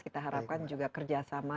kita harapkan juga kerjasama